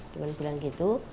teman bilang gitu